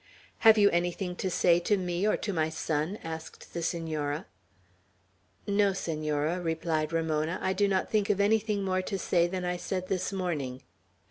"Have you anything to say to me or to my son?" asked the Senora. "No, Senora," replied Ramona; "I do not think of anything more to say than I said this morning.